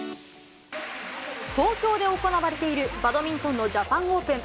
東京で行われているバドミントンのジャパンオープン。